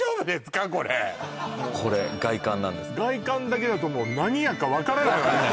これ外観なんですけど外観だけだともう何屋か分からないわね